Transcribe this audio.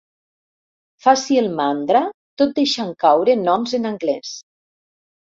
Faci el mandra tot deixant caure noms en anglès.